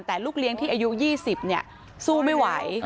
แต่ลูกเลี้ยงที่อายุ๒๐สู้ไม่ไหว